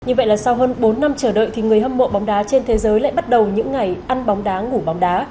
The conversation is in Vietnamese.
như vậy là sau hơn bốn năm chờ đợi thì người hâm mộ bóng đá trên thế giới lại bắt đầu những ngày ăn bóng đá ngủ bóng đá